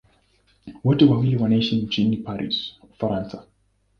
Wote wawili wanaishi mjini Paris, Ufaransa.